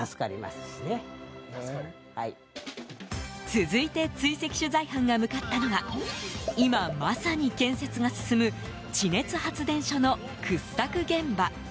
続いて追跡取材班が向かったのは今、まさに建設が進む地熱発電所の掘削現場。